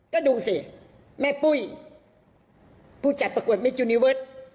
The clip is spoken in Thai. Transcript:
ก็ดูสิแม่ปุ้ยผู้จัดประกวดมิจูนิเวิร์ด